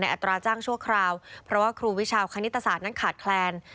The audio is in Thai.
อัตราจ้างชั่วคราวเพราะว่าครูวิชาวคณิตศาสตร์นั้นขาดแคลน